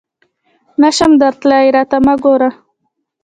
نه شم درتلای ، راته مه ګوره !